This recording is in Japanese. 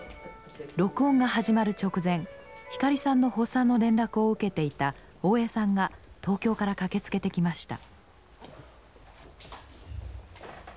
録音が始まる直前光さんの発作の連絡を受けていた大江さんが東京から駆けつけてきました。